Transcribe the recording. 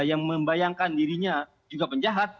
yang membayangkan dirinya juga penjahat